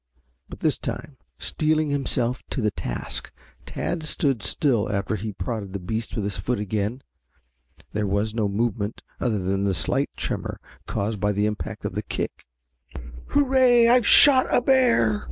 But this time, steeling himself to the task, Tad stood still after he had prodded the beast with his foot again. There was no movement other than a slight tremor caused by the impact of the kick. "Hurrah, I've shot a bear!"